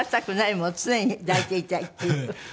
もう常に抱いていたいっていう。